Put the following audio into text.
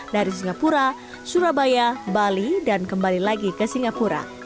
dari singapura surabaya bali dan kembali lagi ke singapura